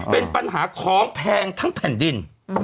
เป็นปัญหาของแพงทั้งแผ่นดิน